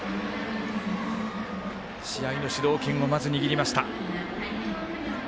試合の主導権を握りました。